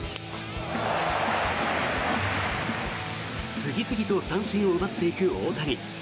次々と三振を奪っていく大谷。